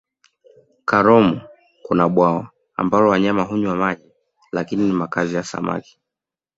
karomo kuna bwawa ambalo wanyama hunywa maji lakini ni makazi ya samaki